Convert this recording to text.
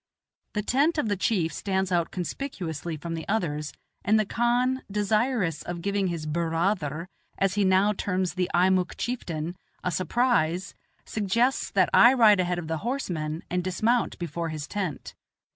The tent of the chief stands out conspicuously from the others, and the khan, desirous of giving his "bur raa ther," as he now terms the Eimuck chieftain, a surprise, suggests that I ride ahead of the horsemen and dismount before his tent.